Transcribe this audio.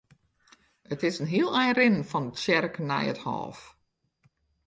It is in hiel ein rinnen fan de tsjerke nei it hôf.